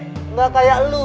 nyatain perasannya kagak berani